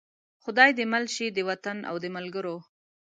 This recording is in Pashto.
خدای دې مل شي د وطن او د ملګرو.